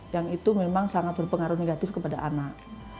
yang itu memang sangat berpengaruh negatif kepada anak